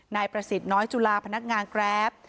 นายประสิทธิ์น้อยจุฬาพนักงานแกรป